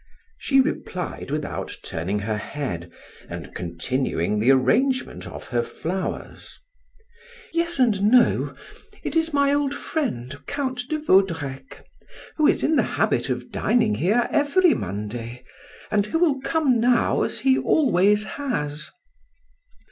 She replied without turning her head and continuing the arrangement of her flowers: "Yes and no: it is my old friend, Count de Vaudrec, who is in the habit of dining here every Monday and who will come now as he always has."